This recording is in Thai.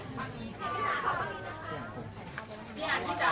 ขอบคุณนะคะ